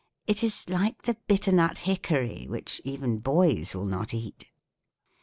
It is like the bitternut hickory, which even boys will not eat."